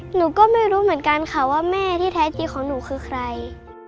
หนูก็ไม่รู้เหมือนกันค่ะว่าแม่ที่แท้จริงของหนูคือใคร